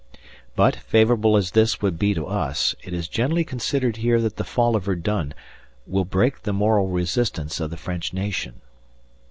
But, favourable as this would be to us, it is generally considered here that the fall of Verdun will break the moral resistance of the French nation.